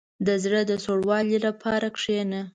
• د زړه د سوړوالي لپاره کښېنه.